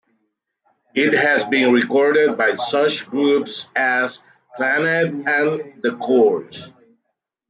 It has been recorded by such groups as Clannad and The Corrs.